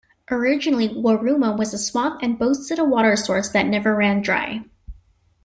Originally Warruma was a swamp and boasted a water source that never ran dry.